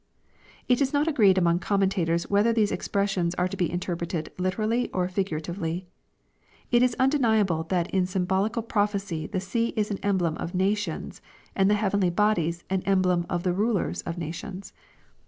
] It is not agreed among commentators whether these expressions are to be interpreted ht erally or figuratively. It is undeniable that in symbolical prophecy the sea is an emblem of nations, and the heavenly bodies an em blem of the rulers of nations.